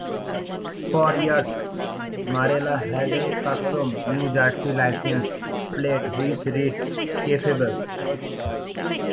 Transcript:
For years, Marella had a custom New Jersey license plate which read "kayfabe".